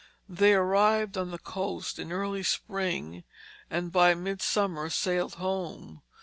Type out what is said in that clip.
They arrived on the coast in early spring, and by midsummer sailed home.